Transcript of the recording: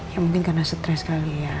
ya mungkin karena stres sekali ya